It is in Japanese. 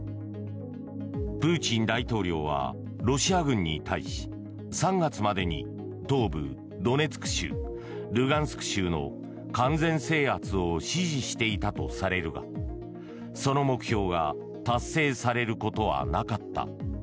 プーチン大統領はロシア軍に対し３月までに東部ドネツク州ルガンスク州の完全制圧を指示していたとされるがその目標が達成されることはなかった。